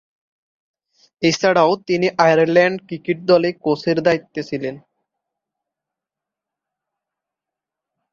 এছাড়াও তিনি Ireland cricket দলে কোচের দায়িত্বে ছিলেন।